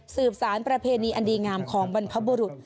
สารประเพณีอันดีงามของบรรพบุรุษ